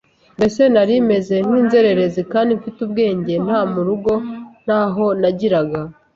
mbese nari meze nk’inzererezi kandi mfite ubwenge nta murugo nyaho nagiraga,